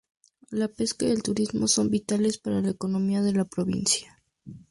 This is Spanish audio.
La pesca y el turismo son vitales para la economía de la provincia.